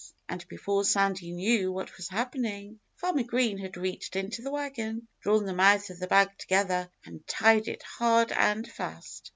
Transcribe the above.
And before Sandy knew what was happening, Farmer Green had reached into the wagon, drawn the mouth of the bag together, and tied it hard and fast.